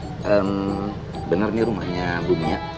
eee bener nih rumahnya bumi ya